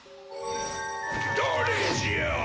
「誰じゃ？」